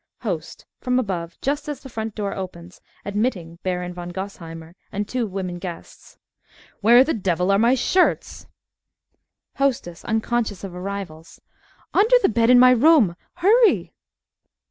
HOST (from above, just as front door opens, admitting Baron von Gosheimer and two women guests) Where the devil are my shirts? HOSTESS (unconscious of arrivals) Under the bed in my room. Hurry!